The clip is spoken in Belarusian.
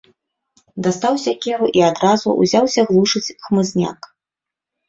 Дастаў сякеру і адразу ўзяўся глушыць хмызняк.